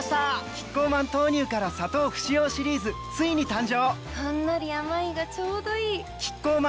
キッコーマン豆乳から砂糖不使用シリーズついに誕生！